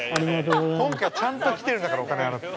今回は、ちゃんと来てるんだからお金払って。